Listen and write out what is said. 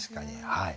はい。